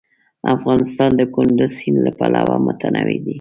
افغانستان د کندز سیند له پلوه متنوع دی.